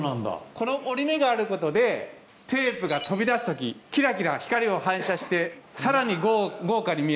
この折り目があることでテープが飛び出す時キラキラ光を反射してさらに豪華に見えると。